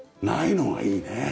ないのがいいね。